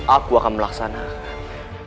aku akan melaksanakanmu